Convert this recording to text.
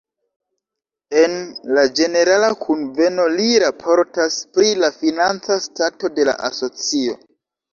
En la ĝenerala kunveno li raportas pri la financa stato de la asocio.